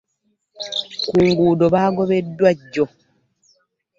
Ku nguudo baagobeddwa jjo.